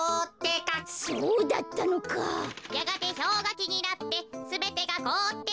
やがてひょうがきになってすべてがこおってしまいました。